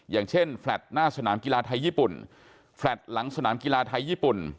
อย่างเช่นแฟลตหน้าสนามกีฬาไทยญี่ปุ่นแฟลต์หลังสนามกีฬาไทยญี่ปุ่น